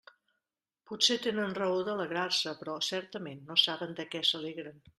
Potser tenen raó d'alegrar-se; però, certament, no saben de què s'alegren.